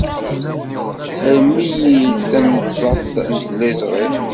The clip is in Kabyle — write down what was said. Rrem-iyi-d tamenzaḍt n tliẓri.